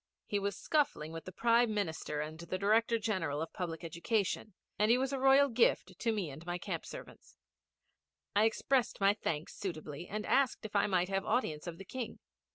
He was scuffling with the Prime Minister and the Director General of Public Education, and he was a royal gift to me and my camp servants. I expressed my thanks suitably, and asked if I might have audience of the King.